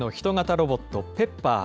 ロボット、ペッパー。